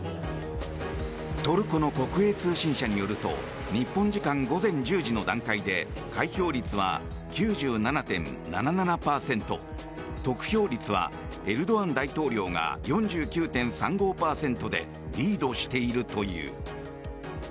トルコの国営通信社によると日本時間午前１０時の段階で開票率は９７．７７％得票率はエルドアン大統領が４９．３５％でリードしているという。